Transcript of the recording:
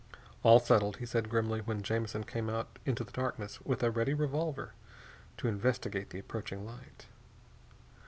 "All settled," he said grimly, when Jamison came out into the darkness with a ready revolver to investigate the approaching light.